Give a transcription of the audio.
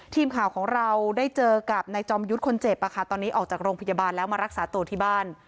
ทีมข่าวของเราได้เจอกับนายจอมยุทธ์คนเจ็บตอนนี้ออกจากโรงพยาบาลแล้วมารักษาตัวที่บ้าน